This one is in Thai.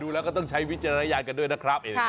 แล้วก็ต้องใช้วิจารณญาณกันด้วยนะครับ